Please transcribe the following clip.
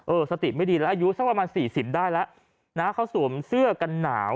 สติไม่ดีแล้วอายุสักประมาณสี่สิบได้แล้วนะเขาสวมเสื้อกันหนาว